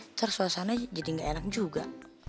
ntar suasana jadi gak enak juga